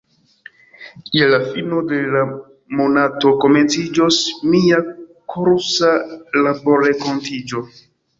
Je la fino de la monato komenciĝos mia korusa laborrenkontiĝo.